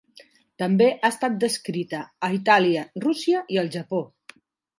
També ha estat descrita a Itàlia, Rússia i el Japó.